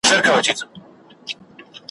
امبارکښ پرکوڅه پېښ سو د عطرونو ,